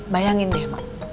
bayangin deh mak